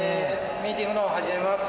ミーティングの方始めます。